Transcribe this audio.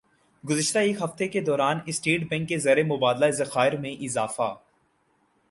گزشتہ ایک ہفتہ کے دوران اسٹیٹ بینک کے زرمبادلہ ذخائر میں اضافہ